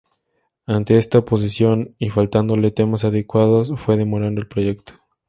Ante esta oposición, y faltándole temas adecuados, fue demorando el proyecto.